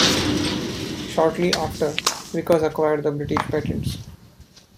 Shortly after, Vickers acquired the British patents.